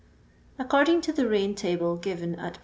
According to the rain table given at p.